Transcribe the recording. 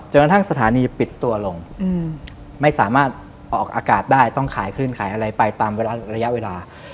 กระทั่งสถานีปิดตัวลงไม่สามารถออกอากาศได้ต้องขายคลื่นขายอะไรไปตามระยะเวลา